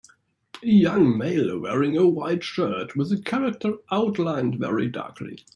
A young male wearing a white shirt with a character outlined very darkly.